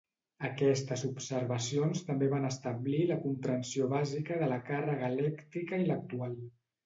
Aquestes observacions també van establir la comprensió bàsica de la càrrega elèctrica i l'actual.